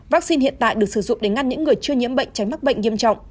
vaccine hiện tại được sử dụng để ngăn những người chưa nhiễm bệnh tránh mắc bệnh nghiêm trọng